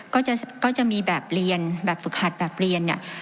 ก็จะมีแบบเรียนแบบฝึกหัดแบบเรียนเนี่ย